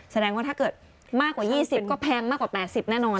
แสดงว่าถ้าเกิดมากกว่า๒๐ก็แพงมากกว่า๘๐แน่นอน